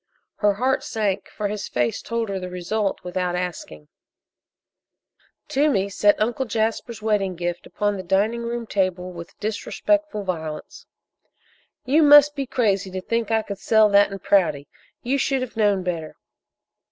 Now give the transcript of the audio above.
Her heart sank, for his face told her the result without asking. Toomey set Uncle Jasper's wedding gift upon the dining room table with disrespectful violence. "You must be crazy to think I could sell that in Prouty! You should have known better!"